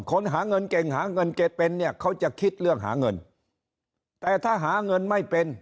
หาเงินเก่งหาเงินเก็บเป็นเนี่ยเขาจะคิดเรื่องหาเงินแต่ถ้าหาเงินไม่เป็น